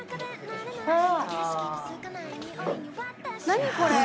何これ！